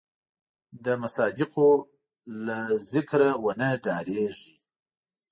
د مصادقو له ذکره ونه ډارېږي.